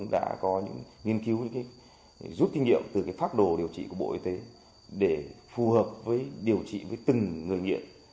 những rút kinh nghiệm từ pháp đồ điều trị của bộ y tế để phù hợp với điều trị với từng người nghiện